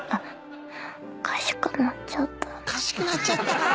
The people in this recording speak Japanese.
おかしくなっちゃったな！